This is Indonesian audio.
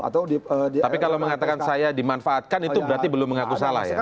tapi kalau mengatakan saya dimanfaatkan itu berarti belum mengaku salah ya